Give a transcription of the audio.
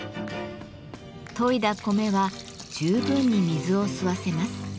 研いだ米は十分に水を吸わせます。